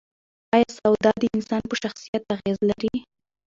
ایا سواد د انسان په شخصیت اغېز لري؟